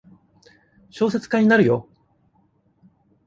小説家になるよ。